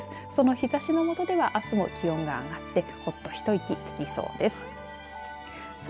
その日ざしのもとではあすも気温が上がってほっと一息つけそうです。